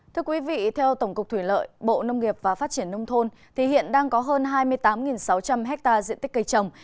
thưa quý vị theo tổng cục thủy lợi bộ nông nghiệp và phát triển nông thôn thì hiện đang có hơn hai mươi tám sáu trăm linh hectare diện tích cây trồng